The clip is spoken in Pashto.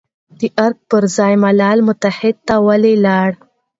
د ارګ پر ځای ملل متحد ته ولې لاړ،